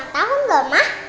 tahu gak mah